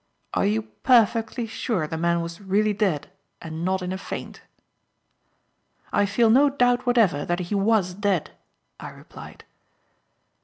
Are you perfectly sure the man was really dead and not in a faint?" "I feel no doubt whatever that he was dead," I replied.